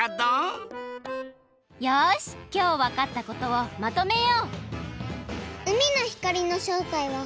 よしきょうわかったことをまとめよう！